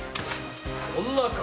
女か。